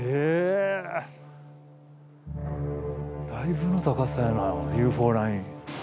だいぶの高さやなＵＦＯライン。